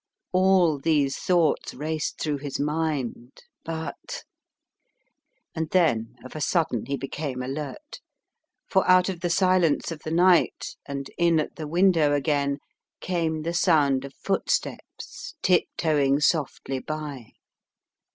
All these thoughts raced through his mind — but And then of a sudden he became alert, for out of the silence of the night and in at the window again came the sound of footsteps tip toeing softly by.